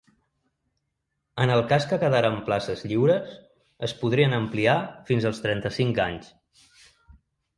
En el cas que quedaren places lliures, es podrien ampliar fins als trenta-cinc anys.